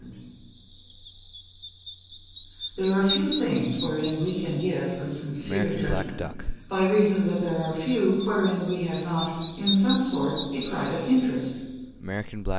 There are few things wherein we can give a sincere judgment, by reason that there are few wherein we have not, in some sort, a private interest.